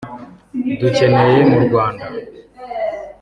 dukeneye mu Rwanda